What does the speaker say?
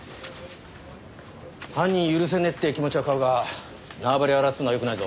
犯人許せねえって気持ちは買うが縄張りを荒らすのはよくないぞ。